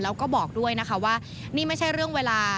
แล้วก็บอกด้วยนะคะว่านี่ไม่ใช่เรื่องเวลา